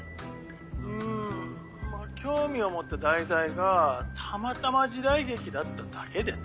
うん興味を持った題材がたまたま時代劇だっただけでね。